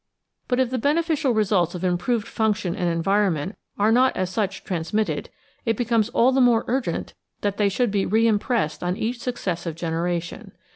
But if the beneficial results of improved function and environment are not as such transmitted, it becomes all the more urgent that they should be reimpressed on each successive generation.